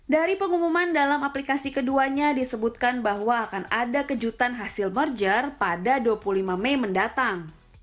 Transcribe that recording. dari pengumuman dalam aplikasi keduanya disebutkan bahwa akan ada kejutan hasil merger pada dua puluh lima mei mendatang